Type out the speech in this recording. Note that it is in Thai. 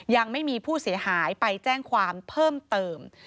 ยังไม่มีผู้เสียหายไปแจ้งความเพิ่มเติม